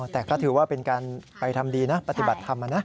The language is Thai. อ๋อแต่ถือว่าเป็นการไปทำดีนะปฏิบัติทำมานะ